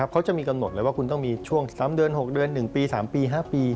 เขาจะมีกำหนดเลยว่าคุณต้องมีช่วง๓เดือน๖เดือน๑ปี๓ปี๕ปี